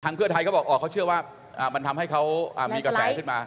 เพื่อไทยเขาบอกเขาเชื่อว่ามันทำให้เขามีกระแสขึ้นมา